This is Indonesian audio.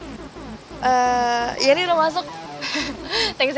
thanks ya ki nyokap gue pasti seneng banget ya